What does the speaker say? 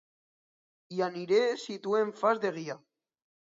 Hi aniré si tu em fas de guia.